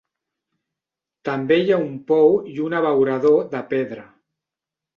També hi ha un pou i un abeurador de pedra.